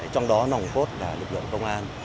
trong đó nòng khốt là lực lượng công an